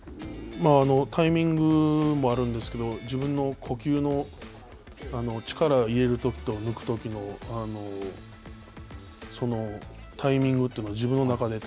タイミングもあるんですけど、自分の呼吸の力を入れるときと抜くときのタイミングというのを自分の中で。